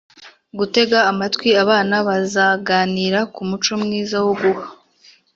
Gutega amatwi Abana bazaganira ku muco mwiza wo guha